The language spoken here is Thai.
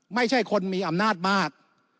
ไม่ใช่คนมีอำนาจมาก